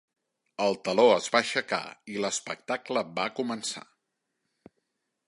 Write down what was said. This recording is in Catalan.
El teló es va aixecar i l'espectacle va començar.